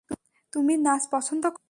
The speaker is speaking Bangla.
তুমি নাচ পছন্দ করো?